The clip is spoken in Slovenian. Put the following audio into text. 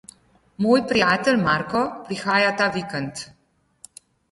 Moj prijatelj Marko prihaja ta vikend.